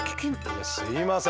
いやすいません。